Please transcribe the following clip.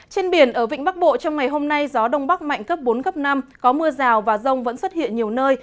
trên biển ở vịnh bắc bộ trong ngày hôm nay gió đông bắc mạnh cấp bốn cấp năm có mưa rào và rông vẫn xuất hiện nhiều nơi